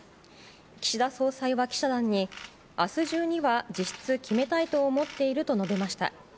岸田総裁は、記者団に明日中には、実質決めたいと思っていると述べました。